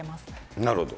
なるほど。